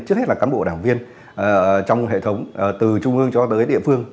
trước hết là cán bộ đảng viên trong hệ thống từ trung ương cho tới địa phương